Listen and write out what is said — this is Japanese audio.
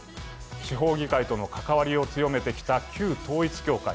地方議会との関わりを強めてきた旧統一教会。